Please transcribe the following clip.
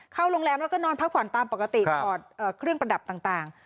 เข้าโรงแรมแล้วก็นอนพักผ่อนตามปกติถอดเครื่องประดับต่าง